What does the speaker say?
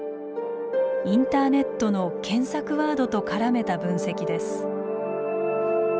インターネットの検索ワードと絡めた分析です。